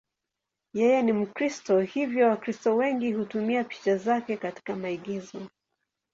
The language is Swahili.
Yeye ni Mkristo, hivyo Wakristo wengi hutumia picha zake katika maigizo.